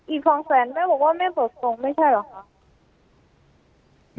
อีกสองแสนแม่บอกว่าแม่เบิกส่งไม่ใช่เหรอคะ